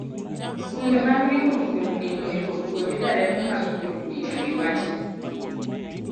Skunde mag riembo mtokni onego opuonj derepe mag mtokni e wi wachni.